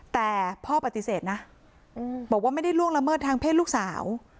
แต่พ่อปฏิเสธนะบอกว่าไม่ได้ล่วงละเมิดทางเพศลูกสาว